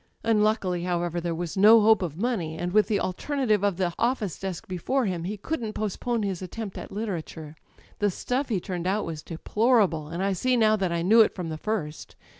Unluckily, however, there was no hope of money, and with the alternative of the office desk before him he couldn't postpone his attempt at literature. The stuff he turned out was deplorable, and I see now that I knew it from the first.